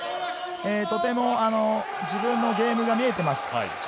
とても自分のゲームが見えています。